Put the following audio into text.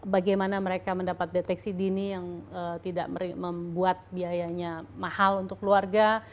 bagaimana mereka mendapat deteksi dini yang tidak membuat biayanya mahal untuk keluarga